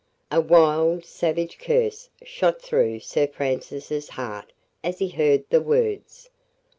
A wild, savage curse shot through Sir Francis's heart as he heard the words.